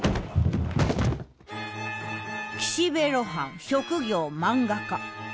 岸辺露伴職業漫画家。